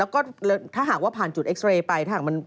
แล้วก็ถ้าหากว่าผ่านจุดเอ็กซ์เรย์ไป